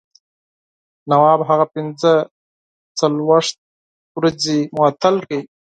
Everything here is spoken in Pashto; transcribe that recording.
نواب هغه پنځه څلوېښت ورځې معطل کړ.